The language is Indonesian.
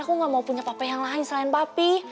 aku gak mau punya papa yang lain selain popi